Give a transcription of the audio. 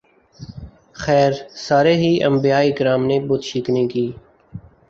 خیر سارے ہی انبیاء کرام نے بت شکنی کی ۔